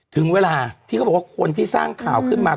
ถึงเวลาที่เขาบอกว่าคนที่สร้างข่าวขึ้นมา